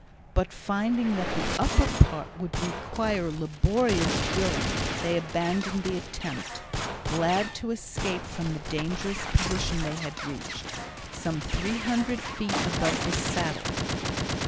But finding that the upper part would require laborious drilling, they abandoned the attempt, glad to escape from the dangerous position they had reached, some 300 feet above the Saddle.